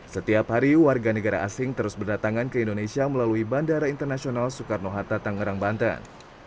setiap hari warga negara asing terus berdatangan ke indonesia melalui bandara internasional soekarno hatta tangerang banten